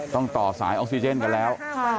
ต่อสายออกซิเจนกันแล้ว